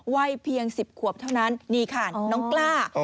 วัยเพียง๑๐ขวบเท่านั้นนี่ค่ะน้องกล้า